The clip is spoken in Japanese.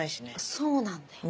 そうなんだよね。